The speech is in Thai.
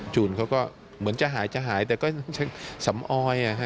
จูนเขาก็เหมือนจะหายจะหายแต่ก็ยังสำออย